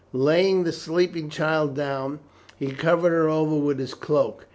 Laying the sleeping child down, he covered her over with his cloak.